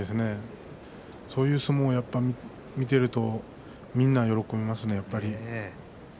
そういう相撲を見ているとみんな喜びますね。